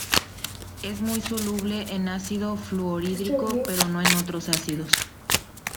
Es muy soluble en ácido fluorhídrico, pero no en otros ácidos.